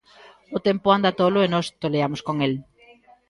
O tempo anda tolo e nós toleamos con el.